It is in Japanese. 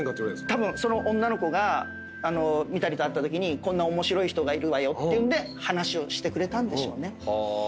たぶんその女の子が三谷と会ったときに「こんな面白い人がいるわよ」っていうんで話をしてくれたんでしょうね。